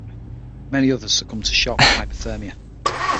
Many others succumbed to shock or hypothermia.